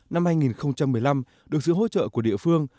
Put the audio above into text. năm hai nghìn một mươi năm được sự hỗ trợ của địa phương